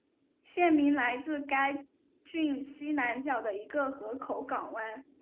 县名来自该郡西南角的一个河口港湾。